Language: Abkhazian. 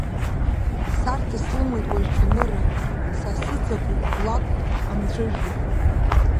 Сарҭаслымуеит уажә цәаныррак, са сыҵакуп лакәк амҵәыжәҩа.